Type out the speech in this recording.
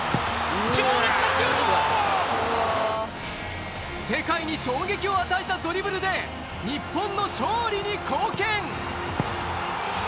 強烈なシュート！を与えたドリブルで日本の勝利に貢献